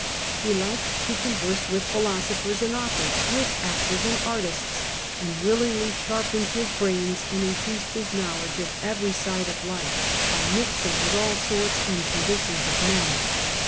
He liked to converse with philosophers and authors, with actors and artists, and willingly sharpened his brains and increased his knowledge of every side of life by mixing with all sorts and conditions of men.